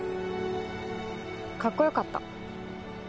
かっこよかった。